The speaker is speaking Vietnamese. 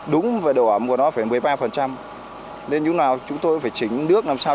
đúng với độ ẩm của nó phải một mươi ba nên chúng tôi phải chỉnh nước làm sao